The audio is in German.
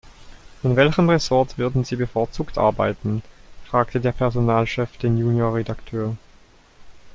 In welchem Ressort würden Sie bevorzugt arbeiten?, fragte der Personalchef den Junior-Redakteur.